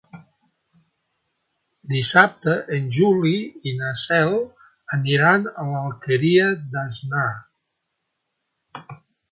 Dissabte en Juli i na Cel aniran a l'Alqueria d'Asnar.